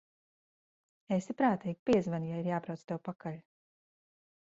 Esi prātīga, piezvani, ja ir jābrauc tev pakaļ.